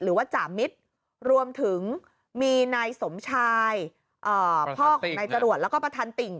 หรือว่าจ่ามิตรรวมถึงมีนายสมชายพ่อของนายจรวดแล้วก็ประธานติ่ง